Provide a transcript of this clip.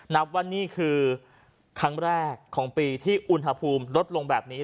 นับว่านี่คือครั้งแรกของปีที่อุณหภูมิลดลงแบบนี้